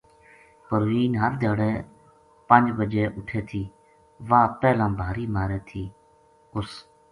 پروین ہر دھیاڑے پنج بَجے اُٹھے تھی واہ پہلاں بھاری مارے تھی اُس